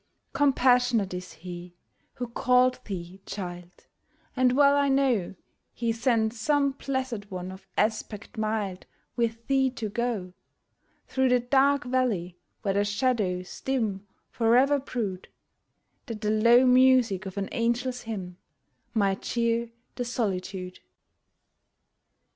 Compassionate is He who called thee, child ; And well I know He sent some Blessed One of aspect mild With thee to go Through the dark valley, where the shadows dim Forever brood, That the low music of an angel's hymn Might cheer the solitude